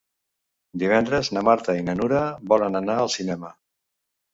Divendres na Marta i na Nura volen anar al cinema.